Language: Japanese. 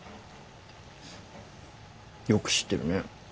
よく知ってるね。